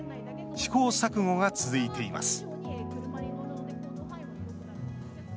試行錯誤が続いています。